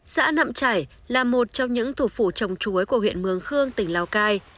xã nậm chảy là một trong những thủ phủ trồng chuối của huyện mường khương tỉnh lào cai